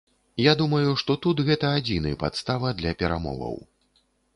Я думаю, што тут гэта адзіны падстава для перамоваў.